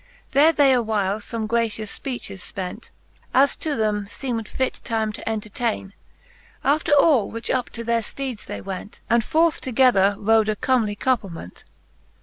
There they awhile fome gracious fpeaehes fpent, As to them feemd fit, time to entertaine. After all which up to their fteedes they went, And forth together rode, a comely couplement.